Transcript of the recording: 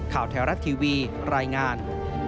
แถวรัฐทีวีรายงาน